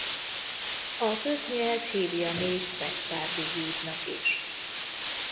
A köznyelv hívja még szekszárdi hídnak is.